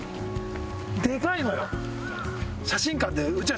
でかいのよ。